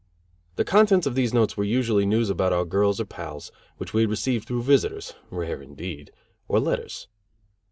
The contents of these notes were usually news about our girls or pals, which we had received through visitors rare, indeed! or letters.